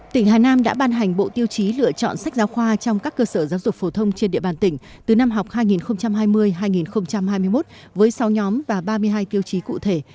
tỉnh hà nam đã ban hành bộ tiêu chí lựa chọn sách giáo khoa trong các cơ sở giáo dục phổ thông trên địa bàn tỉnh từ năm học hai nghìn hai mươi hai nghìn hai mươi một với sáu nhóm và ba mươi hai tiêu chí cụ thể